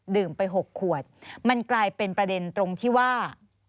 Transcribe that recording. ไป๖ขวดมันกลายเป็นประเด็นตรงที่ว่า